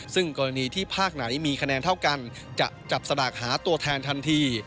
ซึ่งกรณีที่ภาคไหนมีคะแนนเท่ากันจะจับสลากหาตัวแทนทันที